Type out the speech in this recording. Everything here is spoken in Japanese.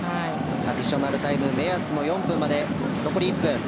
アディショナルタイム目安の４分まで残り１分。